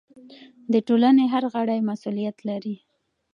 د ټولنې هر غړی مسؤلیت لري.